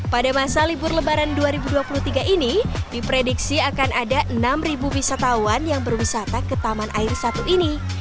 pada masa libur lebaran dua ribu dua puluh tiga ini diprediksi akan ada enam wisatawan yang berwisata ke taman air satu ini